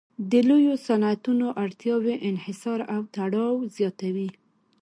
د لویو صنعتونو اړتیاوې انحصار او تړاو زیاتوي